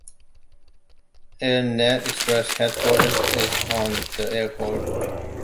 AirNet Express headquarters is on the airport.